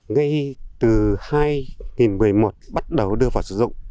ngay từ hai nghìn một mươi một bắt đầu đưa vào sử dụng